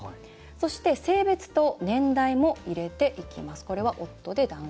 そして、性別と年代も入れていきます。